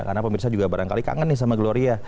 karena pemirsa juga barangkali kangen nih sama gloria